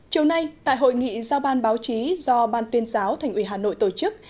chiều nay tại hội nghị giao ban báo chí do ban tuyên giáo thành ủy hà nội tổ chức